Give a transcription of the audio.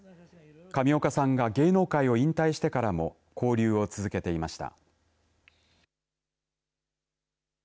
上岡さんが芸能界を引退してからも交流を続けていました。